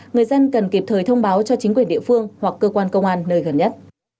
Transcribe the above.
người dân cần kịp thời thông báo cho chính quyền địa phương hoặc cơ quan công an nơi gần nhất